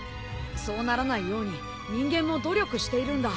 そうならないように人間も努力しているんだ。